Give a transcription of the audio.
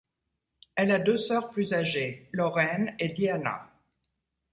Elle a deux sœurs plus âgées, Lauren et Deanna.